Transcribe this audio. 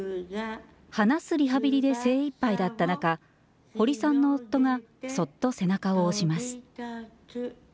話すリハビリで精いっぱいだった中、堀さんの夫がそっと背中を押します。